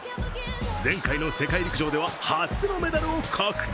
前回の世界陸上では初のメダルを獲得。